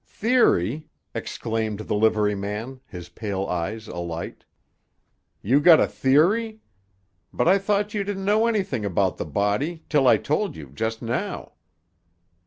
"Theery!" exclaimed the liveryman, his pale eyes alight. "You got a theery? But I thought you didn't know anything about the body, till I told you, just now."